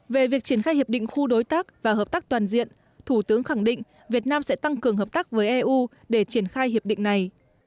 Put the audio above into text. về việc triển khai hiệp định khu đối tác và hợp tác toàn diện thủ tướng khẳng định việt nam sẽ tăng cường hợp tác với eu để triển khai hiệp định này